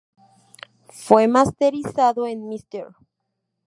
Fue masterizado en Mr.